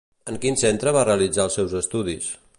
En quin centre va realitzar els seus estudis?